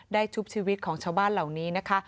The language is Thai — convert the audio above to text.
ชุบชีวิตของชาวบ้านเหล่านี้นะคะ